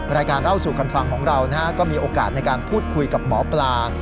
รายการเล่าสู่กันฟังของเราก็มีโอกาสในการพูดคุยกับหมอปลา